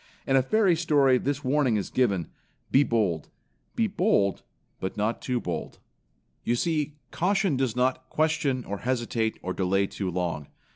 In a fairy story this warning is given: "Be bold; be bold but not too bold." You see caution does not question or hesitate or delay too long.